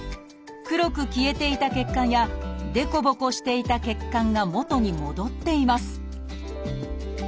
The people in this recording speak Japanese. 黒く消えていた血管や凸凹していた血管が元に戻っています